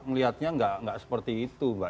melihatnya nggak seperti itu mbak